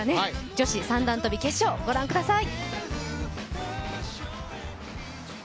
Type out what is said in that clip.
女子三段跳び決勝、ご覧ください。